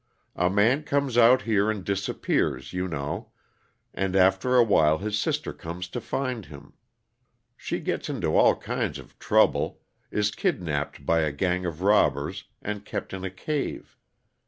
A man comes out here and disappears, you know, and after a while his sister comes to find him. She gets into all kinds of trouble is kidnapped by a gang of robbers, and kept in a cave.